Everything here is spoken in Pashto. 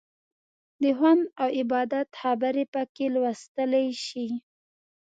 د خوند او عبادت خبرې پکې لوستلی شئ.